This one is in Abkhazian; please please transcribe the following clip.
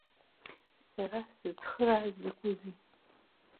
Сара сзыцхырааз закәызеи?